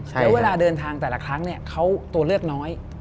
แล้วเวลาเดินทางแต่ละครั้งเขาตัวเลือกน้อย